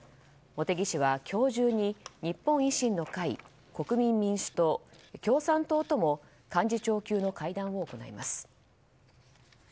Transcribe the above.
茂木氏は今日中に日本維新の会国民民主党、共産党とも幹事長級の会談を行います。